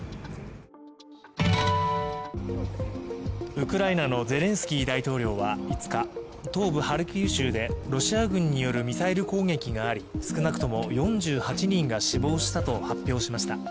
ウクライナのゼレンスキー大統領は５日東部ハルキウ州でロシア軍によるミサイル攻撃があり少なくとも４８人が死亡したと発表しました。